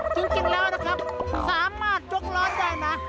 จริงแล้วนะครับสามารถยกล้อได้นะ